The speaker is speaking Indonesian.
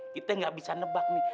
kita nggak bisa nebak nih